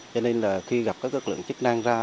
cho nên là khi gặp các lực lượng chức năng ra